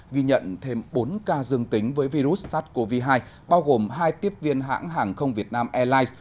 ghi nhận thêm bốn ca dương tính với virus sars cov hai bao gồm hai tiếp viên hãng hàng không việt nam airlines